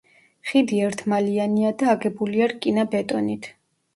ხიდი ერთმალიანია და აგებულია რკინა-ბეტონით.